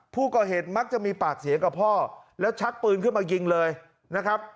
ผู้ก่อเหตุมักจะมีปากเสียงกับพ่อแล้วชักปืนขึ้นมายิงเลยนะครับ